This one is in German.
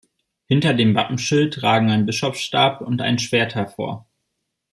Hinter dem Wappenschild ragen ein Bischofsstab und ein Schwert hervor.